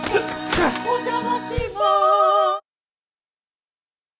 お邪魔します